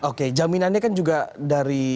oke jaminannya kan juga dari